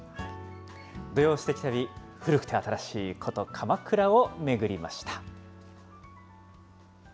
土曜すてき旅、古くて新しい古都、鎌倉を巡りました。